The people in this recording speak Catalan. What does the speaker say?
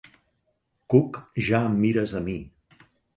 Cook ja em mires a mi.